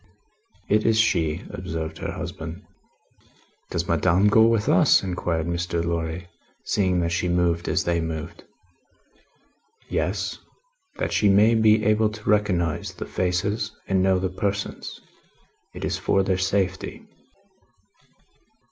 "It is she," observed her husband. "Does Madame go with us?" inquired Mr. Lorry, seeing that she moved as they moved. "Yes. That she may be able to recognise the faces and know the persons. It is for their safety."